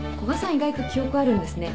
意外と記憶あるんですね。